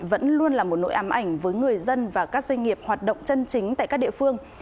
vẫn luôn là một nỗi ám ảnh với người dân và các doanh nghiệp hoạt động chân chính tại các địa phương